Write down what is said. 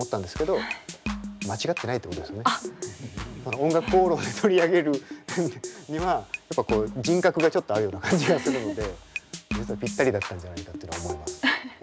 「おんがくこうろん」で取り上げるにはやっぱこう人格がちょっとあるような感じがするので実はぴったりだったんじゃないかってのは思います。